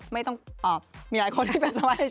ไม่ต้องอ่ามีหลายคนที่เป็นสไพด์ไฮโซ